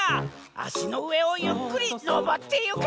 あしのうえをゆっくりのぼってゆけ！